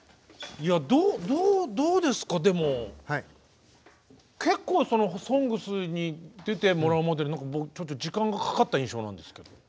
でも結構その「ＳＯＮＧＳ」に出てもらうまでちょっと時間がかかった印象なんですけど。